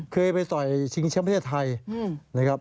เคยไปต่อยเอืออออชิงชั้นประเทศไทย